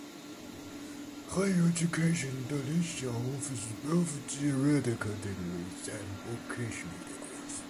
Higher education in Indonesia offers both theoretical degrees and vocational degrees.